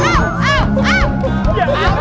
เอาแล้ว